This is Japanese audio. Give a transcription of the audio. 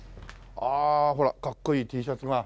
ああほらかっこいいＴシャツが。